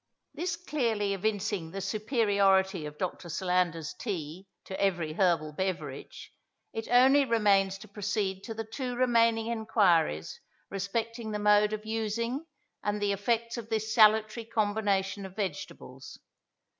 This clearly evincing the superiority of Dr. Solander's tea to every herbal beverage, it only remains to proceed to the two remaining enquiries respecting the mode of using and the effects of this salutary combination of vegetables.